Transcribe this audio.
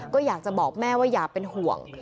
ก็อยากจะบอกแม่ว่าอย่าเป็นห่วง